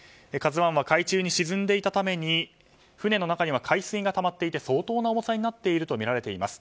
「ＫＡＺＵ１」は海中に沈んでいたために船の中には海水がたまっていて相当な重さになっているとみられています。